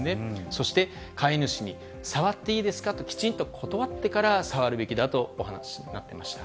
そして、飼い主に触っていいですかと、きちんと断ってから触るべきだとお話になっていました。